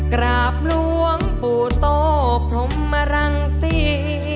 กราบหลวงปู่โต้พรมรังศรี